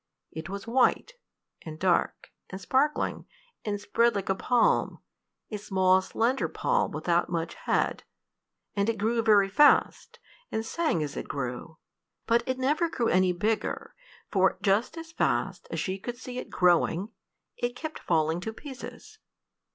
It was white, and dark, and sparkling, and spread like a palm a small slender palm, without much head; and it grew very fast, and sang as it grew. But it never grew any bigger, for just as fast as she could see it growing, it kept falling to pieces.